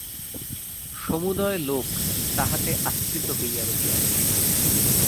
সমুদয় লোক তাঁহাতে আশ্রিত হইয়া রহিয়াছে।